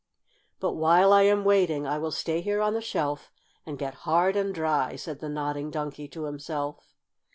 "But while I am waiting I will stay here on the shelf and get hard and dry," said the Nodding Donkey to himself.